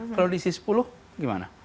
kalau diisi sepuluh gimana